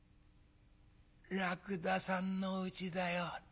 らくださんのうちだよ。